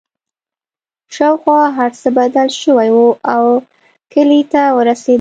شاوخوا هرڅه بدل شوي وو او کلي ته ورسېدل